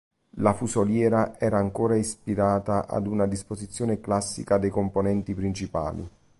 La fusoliera era ancora ispirata ad una disposizione classica dei componenti principali.